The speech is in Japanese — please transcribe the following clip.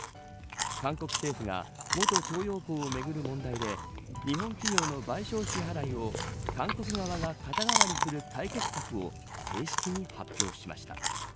韓国政府が元徴用工をめぐる問題で日本企業の賠償支払いを韓国側が肩代わりする解決策を正式に発表しました。